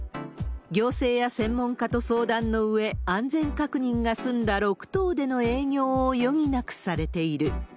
行政や専門家と相談のうえ、安全確認が済んだ６棟での営業を余儀なくされている。